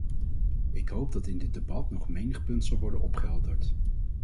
Ik hoop dat in dit debat nog menig punt zal worden opgehelderd.